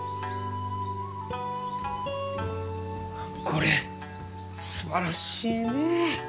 これすばらしいね。